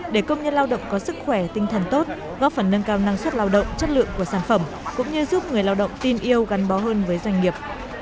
để công nhân lao động có sức khỏe tinh thần tốt góp phần nâng cao năng suất lao động chất lượng của sản phẩm cũng như giúp người lao động tin yêu gắn bó hơn với doanh nghiệp